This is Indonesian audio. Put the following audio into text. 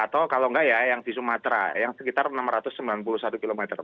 atau kalau enggak ya yang di sumatera yang sekitar enam ratus sembilan puluh satu km